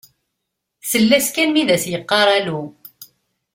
Tsell-as kan mi d as-d-yeqqar alu.